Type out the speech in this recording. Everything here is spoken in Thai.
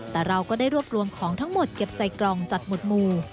แต่เราก็ได้รวบรวมของทั้งหมดเก็บใส่กล่องจัดหมดหมู่